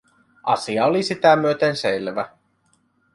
Asia oli sitä myöten selvä.